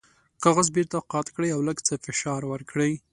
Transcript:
کاغذ بیرته قات کړئ او لږ څه فشار ورکړئ.